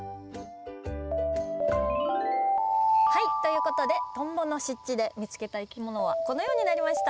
はいということでトンボの湿地で見つけたいきものはこのようになりました。